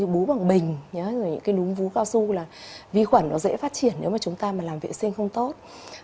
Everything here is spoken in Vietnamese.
bú bằng bình những cái núm vú cao su là vi khuẩn nó dễ phát triển nếu mà chúng ta làm vệ sinh không tốt